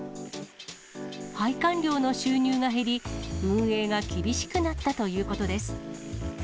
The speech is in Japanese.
拝観料の収入が減り、運営が厳しくなったということです。